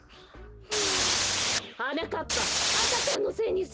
はなかっぱあかちゃんのせいにするの？